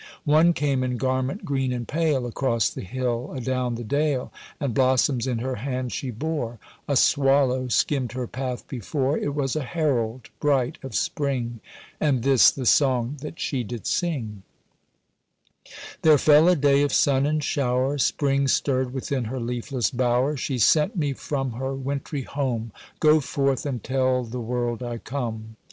One came in garment green and pale Across the hill, adown the dale, And blossoms in her hand she bore; A swallow skimmed her path before; It was a herald bright of spring, And this the song that she did sing: There fell a day of sun and shower, Spring stirred within her leafless bower, She sent me from her wintry home— "Go forth and tell the world I come."